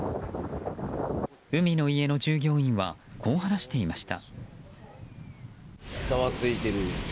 海の家の従業員はこう話していました。